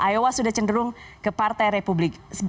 ios sudah cenderung ke partai republik